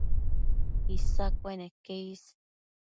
Isa cueneque is